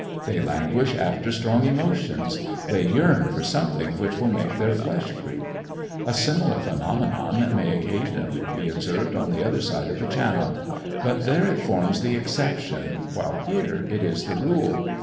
They languish after strong emotions; they yearn for something which will make their flesh creep. A similar phenomenon may occasionally be observed on the other side of the Channel; but there it forms the exception, while here it is the rule.